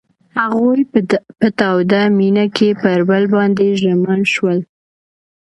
هغوی په تاوده مینه کې پر بل باندې ژمن شول.